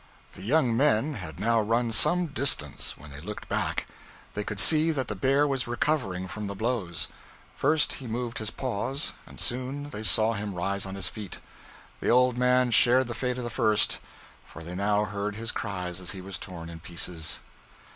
The young men had now run some distance, when they looked back. They could see that the bear was recovering from the blows. First he moved his paws, and soon they saw him rise on his feet. The old man shared the fate of the first, for they now heard his cries as he was torn in pieces.